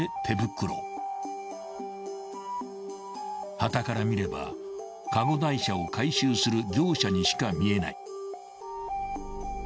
［はたから見ればカゴ台車を回収する業者にしか見えない］